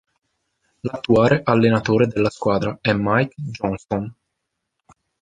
L'attuale allenatore della squadra è Mike Johnston.